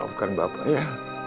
maafkan bapak ya